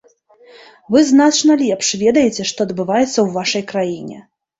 Вы значна лепш ведаеце, што адбываецца ў вашай краіне.